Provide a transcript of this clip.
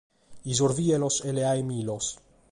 Isorvede·los e leade·me·los.